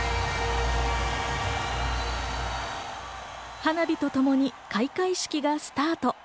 花火とともに開会式がスタート。